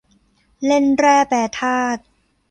เล่นแร่แปรธาตุ